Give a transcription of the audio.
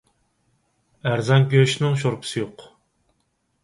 ئەرزان گۆشنىڭ شورپىسى يوق.